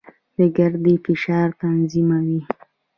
ګردې فشار تنظیموي.